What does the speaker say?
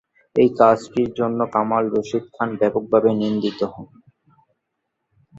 এই কাজটির জন্য কামাল রশিদ খান ব্যাপকভাবে নিন্দিত হন।